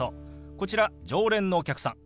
こちら常連のお客さん。